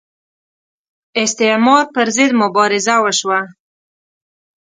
استعمار پر ضد مبارزه وشوه